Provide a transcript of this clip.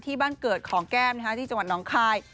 ที่บ้านเกิดของแก้มที่จังหวัดน้องคาย